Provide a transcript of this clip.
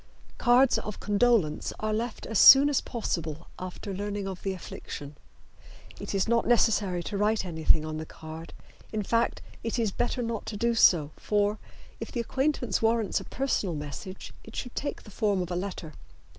Cards of condolence are left as soon as possible after learning of the affliction. It is not necessary to write anything on the card; in fact, it is better not to do so, for, if the acquaintance warrants a personal message, it should take the form of a letter.